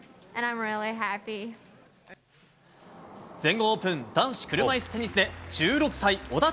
全豪オープン、男子車いすテニスで、１６歳、小田凱